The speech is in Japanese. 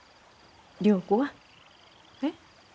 良子は？えっ？